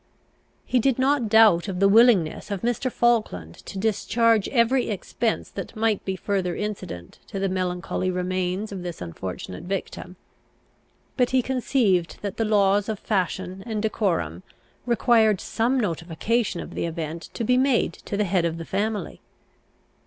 He did not doubt of the willingness of Mr. Falkland to discharge every expense that might be further incident to the melancholy remains of this unfortunate victim; but he conceived that the laws of fashion and decorum required some notification of the event to be made to the head of the family.